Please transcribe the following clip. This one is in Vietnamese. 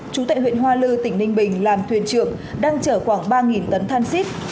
chủ tệ huyện hoa lư tỉnh ninh bình làm thuyền trưởng đang chở khoảng ba tấn than xít